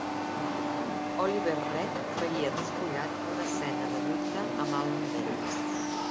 Oliver Reed faria despullat una escena de lluita amb Alan Bates.